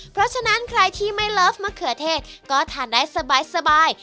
เพราะฉะนั้นใครที่ไม่มาเกือเทศก็ทานได้สบายสบาย